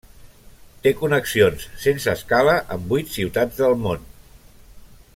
Té connexions sense escala amb vuit ciutats del món.